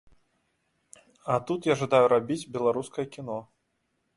А тут я жадаю рабіць беларускае кіно.